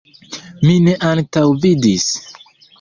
Mi ne antaŭvidis.